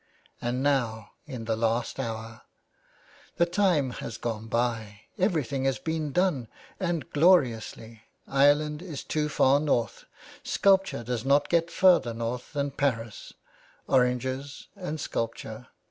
And now, in the last hour ! The time has gone by ; everything has been done, and gloriously. Ireland is too far north. Sculpture does not get farther north than Paris — oranges and sculpture!